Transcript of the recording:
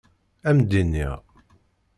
Ad m-d-iniɣ.